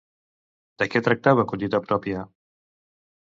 De què tractava Collita pròpia?